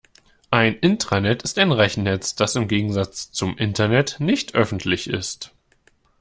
Ein Intranet ist ein Rechnernetz, das im Gegensatz zum Internet nicht öffentlich ist.